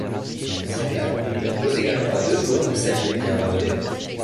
Tyrian propose également à deux joueurs de s'allier via un modem.